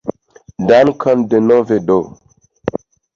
Dankon denove do!